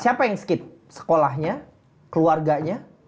siapa yang skit sekolahnya keluarganya